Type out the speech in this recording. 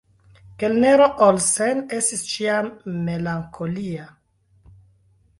Kelnero Olsen estis ĉiam melankolia.